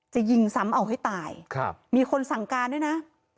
ยิงซ้ำเอาให้ตายมีคนสั่งการด้วยนะ